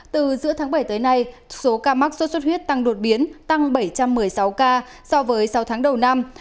từ giữa tháng bảy tới nay số ca mắc sốt xuất huyết tăng đột biến tăng bảy trăm một mươi sáu ca so với sáu tháng đầu năm